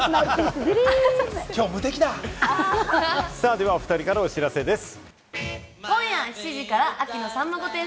では、おふたりからお知らせです。